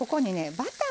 バター！